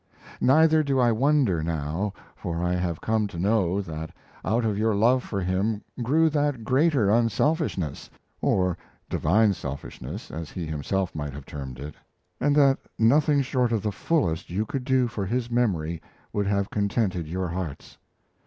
Neither do I wonder now, for I have come to know that out of your love for him grew that greater unselfishness (or divine selfishness, as he himself might have termed it), and that nothing short of the fullest you could do for his memory would have contented your hearts.